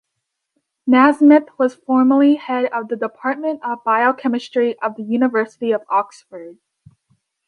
Nasmyth was formerly head of the Department of Biochemistry of the University of Oxford.